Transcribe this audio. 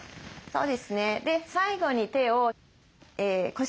そうです。